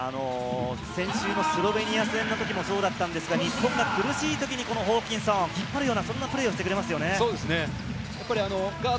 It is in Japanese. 先週もスロベニア戦のときもそうだったんですけれど、日本が苦しいときにホーキンソンが引っ張るようなプレーをしてくれますよね。